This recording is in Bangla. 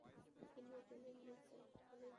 তিনি উজানির নিজ বাসভবনে মৃত্যুবরণ করেন।